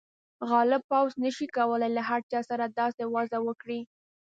غالب پوځ نه شي کولای له هر چا سره داسې وضعه وکړي.